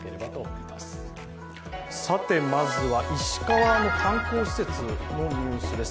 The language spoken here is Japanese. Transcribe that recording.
まずは石川の観光施設のニュースです。